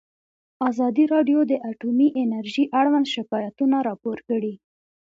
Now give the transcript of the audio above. ازادي راډیو د اټومي انرژي اړوند شکایتونه راپور کړي.